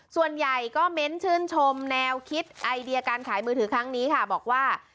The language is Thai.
ส่วนใหญ่ก็เม้นชื่นชมแนวคิดไอเดียการขายมือถือครั้งนี้ค่ะบอกว่า